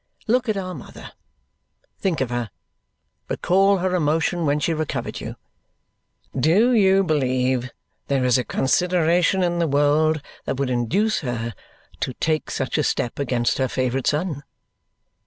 Look at our mother, think of her, recall her emotion when she recovered you. Do you believe there is a consideration in the world that would induce her to take such a step against her favourite son?